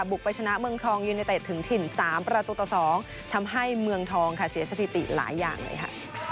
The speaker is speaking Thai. บุกไปชนะเมืองทองยูเนเต็ดถึงถิ่น๓ประตูต่อ๒ทำให้เมืองทองค่ะเสียสถิติหลายอย่างเลยค่ะ